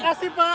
terima kasih pak